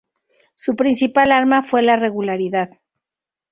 Su principal arma fue la regularidad.